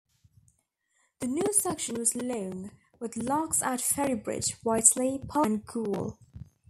The new section was long, with locks at Ferrybridge, Whitley, Pollington and Goole.